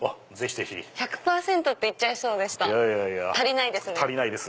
１００％って言っちゃいそう足りないですね。